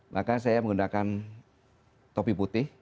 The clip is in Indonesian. maka saya menggunakan topi putih